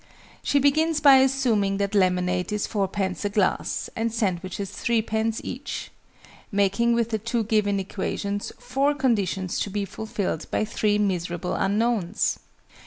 She begins by assuming that lemonade is 4_d._ a glass, and sandwiches 3_d._ each, (making with the 2 given equations, four conditions to be fulfilled by three miserable unknowns!).